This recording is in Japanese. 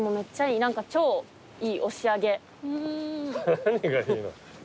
何がいいの？